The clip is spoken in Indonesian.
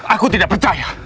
aku tidak percaya